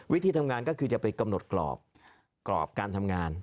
วิธีทำงานก็คือจะไปกำหนดกรอบการทำงาน